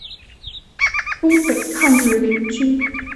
东北抗日联军。